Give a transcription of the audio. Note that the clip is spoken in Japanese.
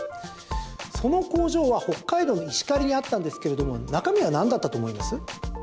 その工場は北海道の石狩にあったんですけれども中身はなんだったと思います？